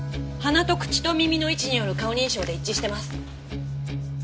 鼻と口と耳の位置による顔認証で一致してます。